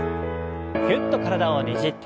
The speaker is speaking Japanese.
ぎゅっと体をねじって。